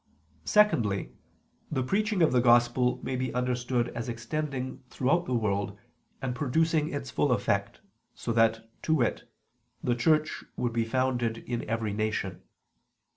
Secondly, the preaching of the Gospel may be understood as extending throughout the world and producing its full effect, so that, to wit, the Church would be founded in every nation.